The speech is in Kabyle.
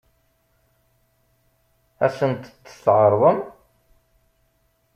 Ad sent-t-tɛeṛḍem?